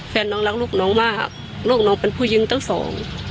แฟนน้องรักลูกน้องมากลูกน้องเป็นผู้หญิงตั้งสอง